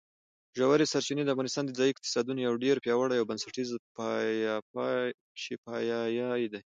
ژورې سرچینې د افغانستان د ځایي اقتصادونو یو ډېر پیاوړی او بنسټیز پایایه دی.